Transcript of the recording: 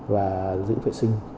và giữ vệ sinh